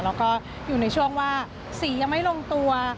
แล้วก็อยู่ในช่วงว่าสียังไม่ลงตัว